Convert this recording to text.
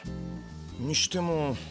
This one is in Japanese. にしても。